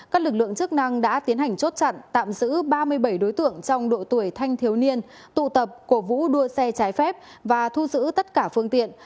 các lực lượng chức năng đã tiến hành chốt chặn tạm giữ ba mươi bảy đối tượng trong độ tuổi thanh thiếu niên tụ tập cổ vũ đua xe trái phép và thu giữ tất cả phương tiện